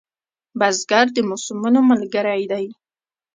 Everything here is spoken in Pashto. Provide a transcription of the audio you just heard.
بزګر د موسمونو ملګری دی